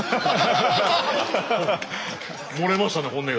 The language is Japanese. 漏れましたね本音が。